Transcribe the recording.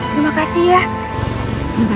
terima kasih ya